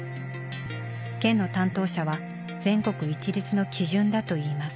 県の担当者は全国一律の基準だといいます。